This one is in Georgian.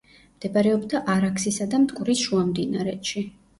მდებარეობდა არაქსისა და მტკვრის შუამდინარეთში.